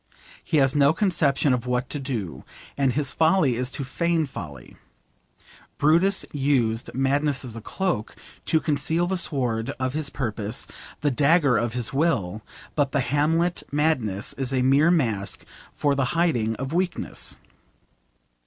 He has no conception of what to do, and his folly is to feign folly. Brutus used madness as a cloak to conceal the sword of his purpose, the dagger of his will, but the Hamlet madness is a mere mask for the hiding of weakness.